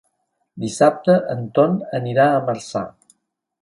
Dissabte en Ton anirà a Marçà.